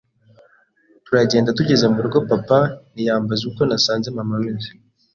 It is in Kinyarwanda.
turagenda tugeze mu rugo papa ntiyambaza uko nasanze mama ameze